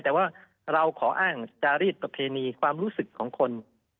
แต่ว่าเราขออ้างจารีสประเพณีความรู้สึกของคน